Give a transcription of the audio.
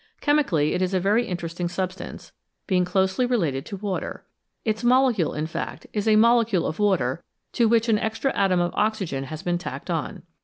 Chemi cally, it is a very interesting substance, being closely related to water; its molecule, in fact, is a molecule of water, to which an extra atom of oxygen has been tacked on.